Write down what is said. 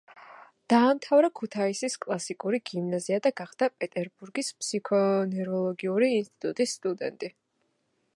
დაამთავრა ქუთაისის კლასიკური გიმნაზია და გახდა პეტერბურგის ფსიქონევროლოგიური ინსტიტუტის სტუდენტი.